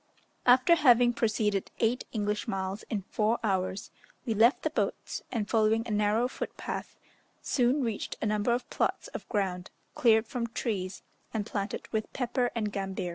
After having proceeded eight English miles in four hours, we left the boats, and following a narrow footpath, soon reached a number of plots of ground, cleared from trees, and planted with pepper and gambir.